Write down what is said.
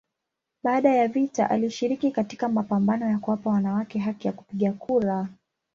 Baada ya vita alishiriki katika mapambano ya kuwapa wanawake haki ya kupiga kura.